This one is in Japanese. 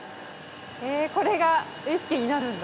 えこれがウイスキーになるんだ？